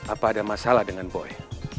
apa ada masalah dengan boe